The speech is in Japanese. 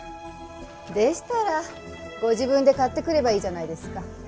でしたらご自分で買ってくればいいじゃないですか。